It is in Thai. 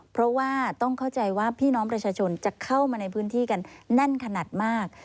เพราะว่าต้องเข้าใจว่าพี่น้องประชาชนจะเข้ามาในพื้นที่กันแน่นขนาดมาก